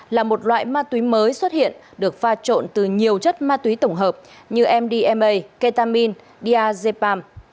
là một loại ma túy mới xuất hiện được pha trộn từ nhiều chất ma túy tổng hợp như mdma ketamin d diazepam